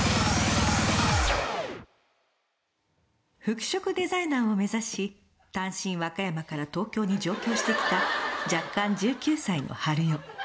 「服飾デザイナーを目指し単身和歌山から東京に上京してきた弱冠１９歳の春代」